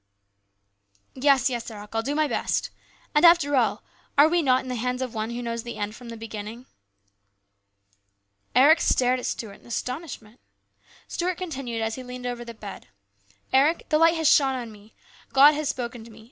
" 104 HIS BROTHER'S KEEPER. " Yes, yes, Eric, I'll do my best. After all, are we not in the hands of One who knows the end from the beginning." Eric stared at Stuart in astonishment. Stuart continued as he leaned over the bed :" Eric, the Light has shone upon me. God has spoken to me.